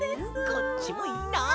こっちもいいな！